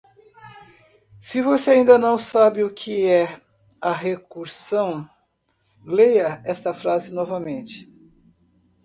Se você ainda não sabe o que é a recursão?, leia esta frase novamente.